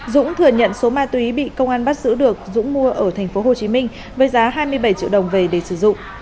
dũng thừa nhận số ma túy bị công an bắt giữ được dũng mua ở tp hcm với giá hai mươi bảy triệu đồng về để sử dụng